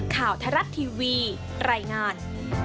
ข่าวทรัศน์ทีวีรายงาน